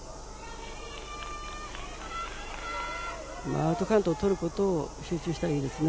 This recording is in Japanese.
アウトカウントを取ることに集中したいですよね。